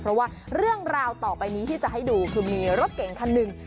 เพราะว่าเรื่องราวต่อไปนี้ที่จะให้ดูคือมีรถเก่งคันหนึ่ง